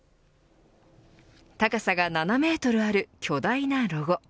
高さが７メートルある巨大なロゴ